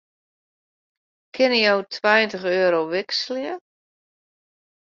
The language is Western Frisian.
Kinne jo tweintich euro wikselje?